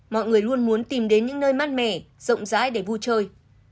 mọi người luôn muốn tìm đến những nơi mát mẻ rộng rãi để vui chơi